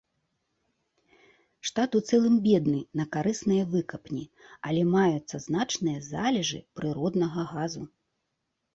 Штат у цэлым бедны на карысныя выкапні, але маюцца значныя залежы прыроднага газу.